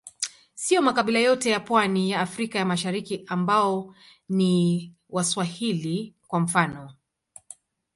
Siyo makabila yote ya pwani ya Afrika ya Mashariki ambao ni Waswahili, kwa mfano.